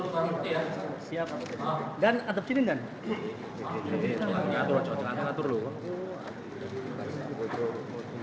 hai kita apa dulu ya siapa dan atur atur dulu